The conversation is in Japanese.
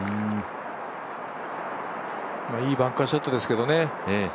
いいバンカーショットですけどね。